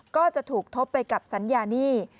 ก็จะถูกทบไปกับสัญญาหนี้